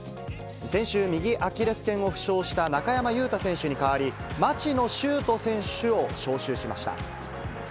先週、右アキレスけんを負傷した中山雄太選手に代わり、町野修斗選手を招集しました。